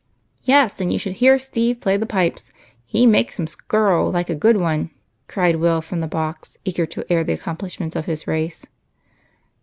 " Yes, and you should hear Steve play the pipes. lie makes 'em skirl like a good one," cried Will from the box, eager to air the accomi^lishments of his race.